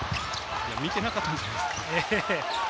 見てなかったんじゃないですか。